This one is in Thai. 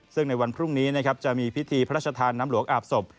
ซึ่งในวันพรุ่งนี้นะครับจะมีพิธีพระราชทานน้ำหลวงอาบศพ